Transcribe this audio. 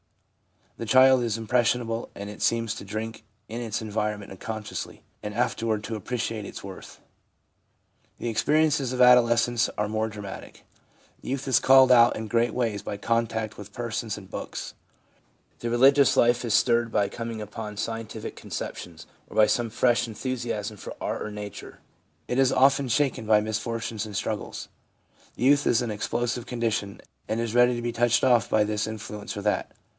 The child is impression able, and it seems to drink in its environment uncon sciously, and afterward to appreciate its worth. The experiences of adolescence are more dramatic. Youth is called out in great ways by contact with persons and books ; the religious life is stirred by coming upon scientific conceptions, or by some fresh enthusiasm for art or nature ; it is often shaken by misfortunes and struggles. Youth is in an explosive condition, and is ready to be touched off by this influence or that.